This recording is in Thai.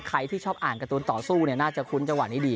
ใครที่ชอบอ่านการ์ตูนต่อสู้น่าจะคุ้นจังหวะนี้ดี